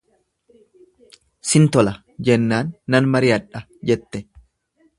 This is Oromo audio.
Sin tola jennaan nan mariyadha jette.